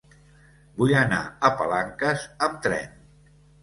Vull anar a Palanques amb tren.